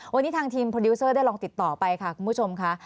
วันนี้ทางทีมโปรดิวเซอร์ได้ลองติดต่อไปค่ะคุณผู้ชมค่ะ